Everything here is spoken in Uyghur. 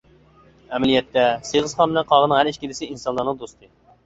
ئەمەلىيەتتە، سېغىزخان بىلەن قاغىنىڭ ھەر ئىككىلىسى ئىنسانلارنىڭ دوستى.